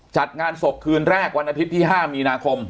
จัดงานศพคืนแรกวันอาทิตย์ที่๕มีนาคม